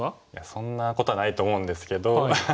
そんなことはないと思うんですけど。